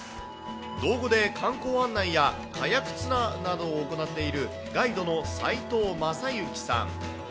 島後で観光案内や、カヤックツアーなどを行っているガイドの斎藤正幸さん。